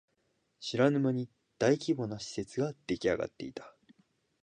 知らぬ間に大規模な施設ができあがっていた